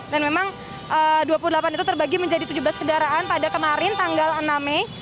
dan memang dua puluh delapan itu terbagi menjadi tujuh belas kendaraan pada kemarin tanggal enam mei